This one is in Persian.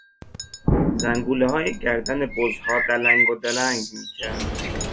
زنگولههای گردن بزها دلنگ و دلنگ میکرد.